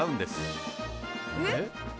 えっ？